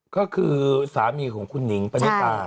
ก็คือสามีของคุณนิงปะเนี้ยตา